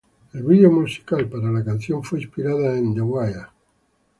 El vídeo musical para la canción fue inspirado en "The Wire".